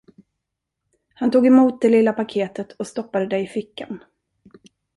Han tog emot det lilla paketet och stoppade det i fickan.